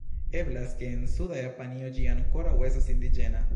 Eblas ke en suda Japanio ĝi ankaŭ estas indiĝena.